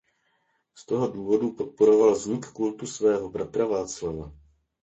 Z toho důvodu podporoval vznik kultu svého bratra Václava.